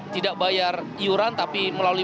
tidak bayar iuran tapi melalui